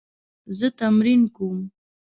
زه تمرین کوم